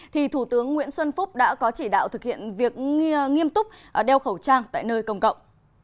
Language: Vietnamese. thủ tướng nguyễn xuân phúc đã có chỉ đạo thực hiện việc nghiêm túc đeo khẩu trang tại nơi công cộng